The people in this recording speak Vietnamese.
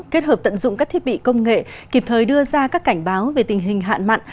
kết hợp tận dụng các thiết bị công nghệ kịp thời đưa ra các cảnh báo về tình hình hạn mặn